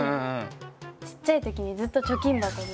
ちっちゃい時にずっと貯金箱に。